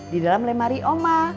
di dalam lemari oma